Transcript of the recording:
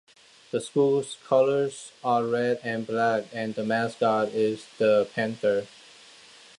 The school's colors are red and black, and the mascot is the Panther.